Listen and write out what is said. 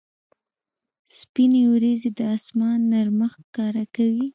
سپینې ورېځې د اسمان نرمښت ښکاره کوي.